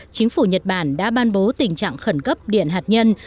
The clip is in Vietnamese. chính phủ nhật bản đã ban bố tình trạng khẩn cấp điện hạt nhân